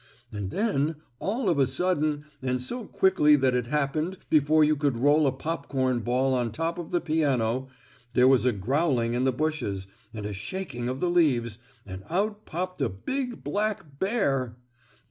And then, all of a sudden, and so quickly that it happened before you could roll a popcorn ball on top of the piano, there was a growling in the bushes, and a shaking of the leaves, and out popped a big, black bear.